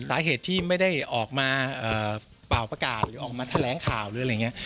สาเหตุที่ไม่ได้ออกมาเป่าประกาศหรือออกมาแถลงข่าวหรืออะไรอย่างนี้